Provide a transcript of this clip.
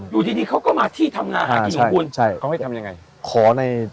อยู่ที่นี่เขาก็มาที่ทำงานหากินหรือคุณใช่ใช่เขาให้ทำยังไง